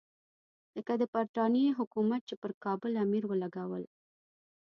لکه د برټانیې حکومت چې پر کابل امیر ولګول.